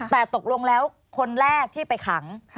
แต่ตกลงแล้วคนแรกที่ไปขัง